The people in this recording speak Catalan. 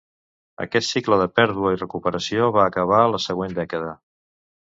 Aquest cicle de pèrdua i recuperació va acabar la següent dècada.